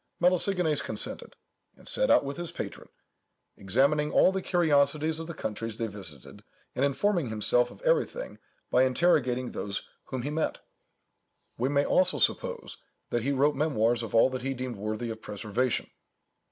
Melesigenes consented, and set out with his patron, "examining all the curiosities of the countries they visited, and informing himself of everything by interrogating those whom he met." We may also suppose, that he wrote memoirs of all that he deemed worthy of preservation.